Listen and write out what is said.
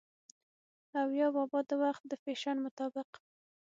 او يا بابا د وخت د فېشن مطابق